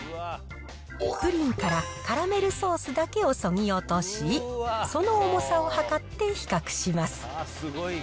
プリンからカラメルソースだけをそぎ落とし、その重さを量って比較します。